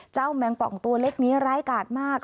แมงป่องตัวเล็กนี้ร้ายกาดมาก